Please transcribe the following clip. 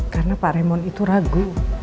karena pak raymond itu ragu